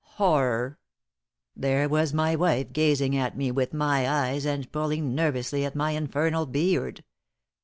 Horror! There was my wife gazing at me with my eyes and pulling nervously at my infernal beard.